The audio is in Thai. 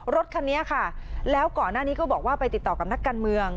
รถคันนี้ค่ะแล้วก่อนหน้านี้ก็บอกว่าไปติดต่อกับนักการเมือง